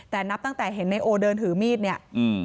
แต่นับตั้งแต่เห็นนายโอเดินถือมีดเนี่ยอืม